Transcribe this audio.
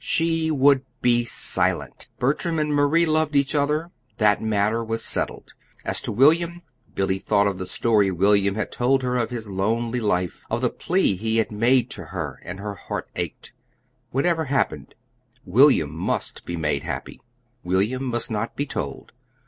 She would be silent. Bertram and Marie loved each other. That matter was settled. As to William Billy thought of the story William had told her of his lonely life, of the plea he had made to her; and her heart ached. Whatever happened, William must be made happy. William must not be told.